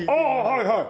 はいはい。